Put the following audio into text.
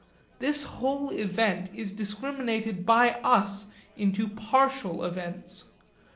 This whole event is discriminated by us into partial events.